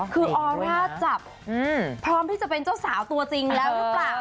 คือออร่าจับพร้อมที่จะเป็นเจ้าสาวตัวจริงแล้วหรือเปล่า